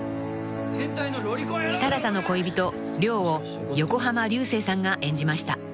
［更紗の恋人亮を横浜流星さんが演じました］